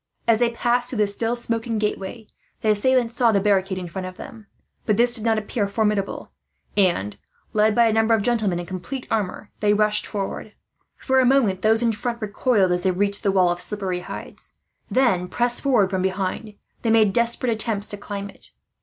As they passed through the still smoking gateway the assailants saw the barricade in front of them, but this did not appear formidable and, led by a number of gentlemen in complete armour, they rushed forward. For a moment those in front recoiled, as they reached the wall of slippery hides; then, pressed forward from behind, they made desperate attempts to climb it.